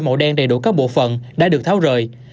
màu đen đầy đủ các bộ phận đã được tháo rời